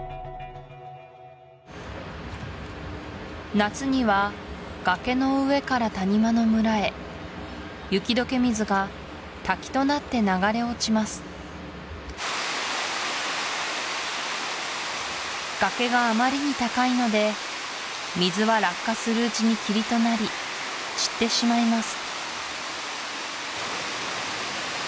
夏には崖の上から谷間の村へ雪どけ水が滝となって流れ落ちます崖があまりに高いので水は落下するうちに霧となり散ってしまいます